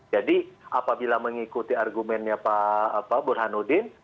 jadi apabila mengikuti argumennya pak burhanuddin